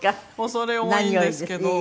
恐れ多いんですけど。